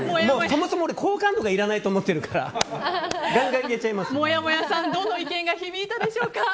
そもそも好感度がいらないと思ってるからもやもやさん、どの意見が響いたでしょうか。